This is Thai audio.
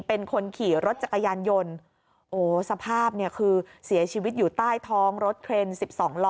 เป็นคนขี่รถจักรยานยนต์โอ้สภาพเนี่ยคือเสียชีวิตอยู่ใต้ท้องรถเครนสิบสองล้อ